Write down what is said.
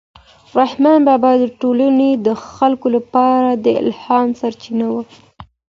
رحمان بابا د ټولنې د خلکو لپاره د الهام سرچینه و.